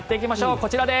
こちらです。